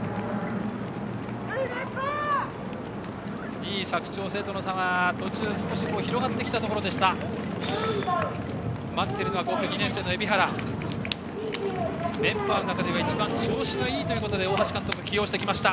２位、佐久長聖との差は途中、少し広がってきていました。